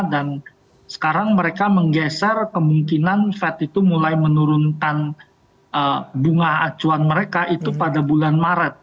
dan sekarang mereka menggeser kemungkinan fed itu mulai menurunkan bunga acuan mereka itu pada bulan maret